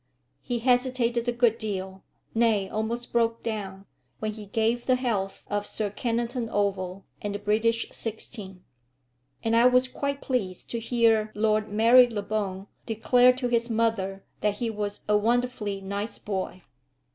He hesitated a good deal, nay, almost broke down, when he gave the health of Sir Kennington Oval and the British sixteen; and I was quite pleased to hear Lord Marylebone declare to his mother that he was "a wonderfully nice boy."